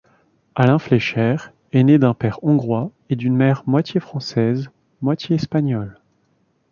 Alain Fleischer est né d’un père hongrois et d’une mère moitié française, moitié espagnole.